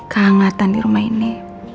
kehangatan di rumah ini